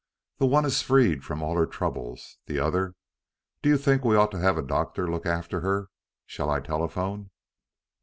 The one is freed from all her troubles; the other Do you think we ought to have a doctor to look after her? Shall I telephone?"